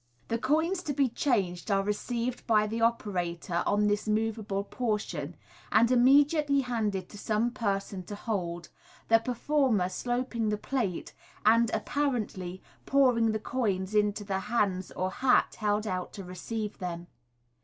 The coins to be changed are received by the operator on this moveable portion, and immediately handed to some person to hold, the performer sloping the plate, and (apparently) pouring the coins into the hands or hat held out to receive them.